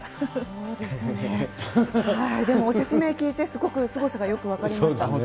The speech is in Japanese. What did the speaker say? でも説明聞いてすごくすごさがよく分かりました。